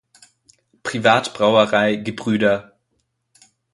Privatbrauerei Gebr.